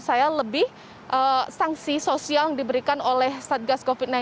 saksi sosial yang diberikan oleh saat gas covid sembilan belas